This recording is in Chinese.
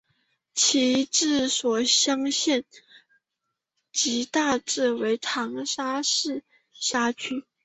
其治所湘县即大致为今长沙市辖区。